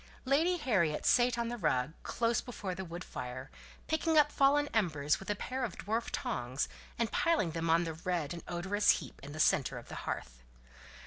Lady Harriet sate on the rug, close before the wood fire, picking up fallen embers with a pair of dwarf tongs, and piling them on the red and odorous heap in the centre of the hearth.